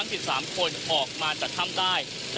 ติดตามการรายงานสดจากคุณทัศนายโค้ดทองค่ะ